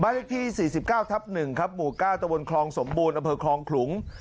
ใบที่สี่สิบเก้าทับหนึ่งครับหมู่ก้าตะวนคลองสมบูรณ์อเภอคลองขลุง